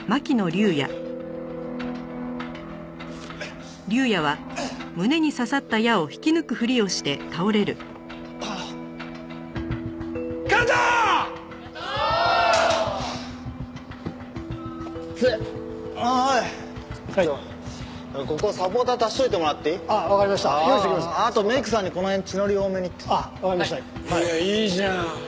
竜也いいじゃん。